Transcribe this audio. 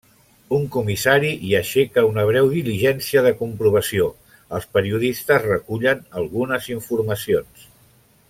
Un comissari hi aixeca una breu diligència de comprovació, els periodistes recullen algunes informacions.